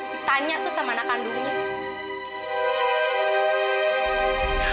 ditanya tuh sama anak kandungnya